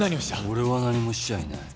俺は何もしちゃいない。